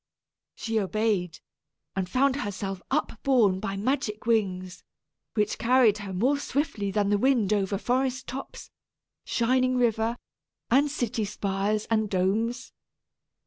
She obeyed, and found herself upborne by magic wings, which carried her more swiftly than the wind over forest tops, shining river, and city spires and domes.